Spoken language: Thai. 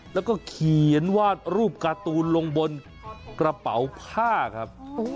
แล้วก็เขียนวาดรูปการ์ตูนลงบนกระเป๋าผ้าครับ